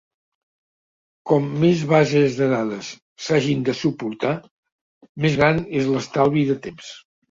Com més bases de dades s'hagin de suportar, més gran és l'estalvi de temps.